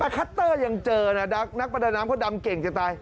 คัตเตอร์ยังเจอนะนักประดาน้ำเขาดำเก่งจะตาย